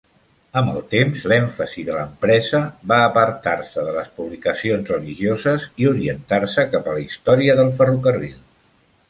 Amb el temps l'èmfasi de l'empresa va apartar-se de les publicacions religioses i orientar-se cap a la història del ferrocarril.